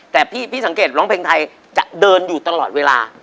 แต่พี่สังเกตร้องเพลงไทยจะเดินอยู่ตลอดเวลา